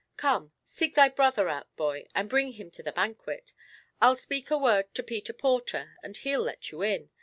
"Come, seek thy brother out, boy, and bring him to the banquet. I'll speak a word to Peter Porter, and he'll let you in.